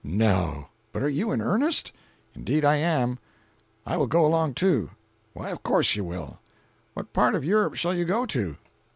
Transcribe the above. "No—but are you in earnest?" "Indeed I am." "I will go along too." "Why of course you will." "What part of Europe shall you go to?"